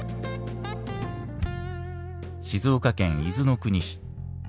静岡県伊豆の国市。